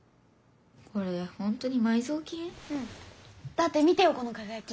だって見てよこのかがやき！